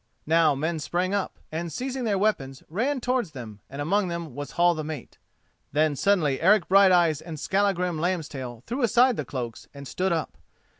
Now men sprang up, and, seizing their weapons, ran towards them, and among them was Hall the mate. Then suddenly Eric Brighteyes and Skallagrim Lambstail threw aside the cloaks and stood up.